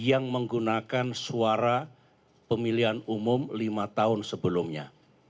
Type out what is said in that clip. yang menggunakan suara pemilihan umum lima tahun sebelumnya